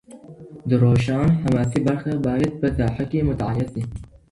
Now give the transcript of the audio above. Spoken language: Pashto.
د روښان حماسي برخه باید په ساحه کي مطالعه سي.